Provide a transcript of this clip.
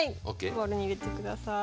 ボウルに入れて下さい。